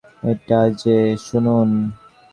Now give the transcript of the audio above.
এই যে শুনুন।